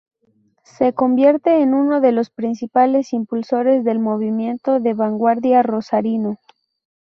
Se convierte en uno de los principales impulsores del movimiento de vanguardia rosarino.